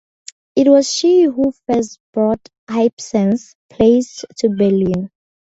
It was she who first brought Ibsen's plays to Berlin.